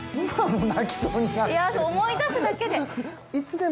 いや思い出すだけで。